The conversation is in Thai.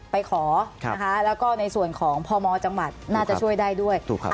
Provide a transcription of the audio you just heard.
ไปขอนะคะแล้วก็ในส่วนของพมจังหวัดน่าจะช่วยได้ด้วย